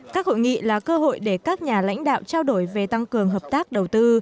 các hội nghị là cơ hội để các nhà lãnh đạo trao đổi về tăng cường hợp tác đầu tư